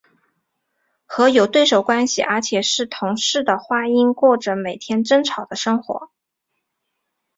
和有对手关系而且是同室的花音过着每天争吵的生活。